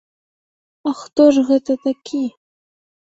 А хто ж гэта такі?